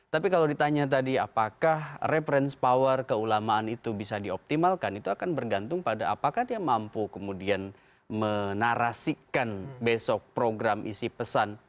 tapi kalau ditanya tadi apakah reference power keulamaan itu bisa dioptimalkan itu akan bergantung pada apakah dia mampu kemudian menarasikan besok program isi pesan